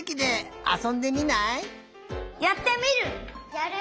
やる！